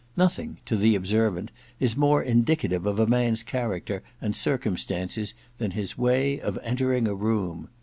Nothing, to the observant, is more indicative of a man's character and circumstances than his way of entering a room.